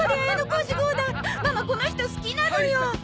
ママこの人好きなのよ。